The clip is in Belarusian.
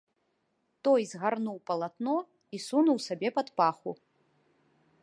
Той згарнуў палатно і сунуў сабе пад паху.